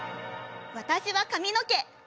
私は髪の毛！